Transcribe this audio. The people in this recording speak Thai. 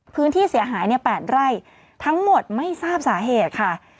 พื้นที่เสียหาย๘ไร่ทั้งหมดไม่ทราบสาเหตุค่ะ